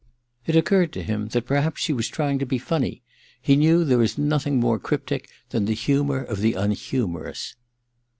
It occurred to him that perhaps she was trying to be funny : he knew that there is nothing more cryptic than the humour of the unhumorous.